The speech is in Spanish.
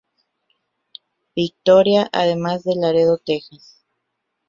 Victoria además de Laredo Tx.